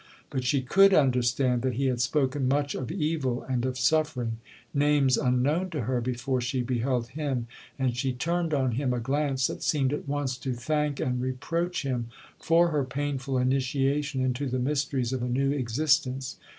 But she could understand, that he had spoken much of evil and of suffering, names unknown to her before she beheld him, and she turned on him a glance that seemed at once to thank and reproach him for her painful initiation into the mysteries of a new existence.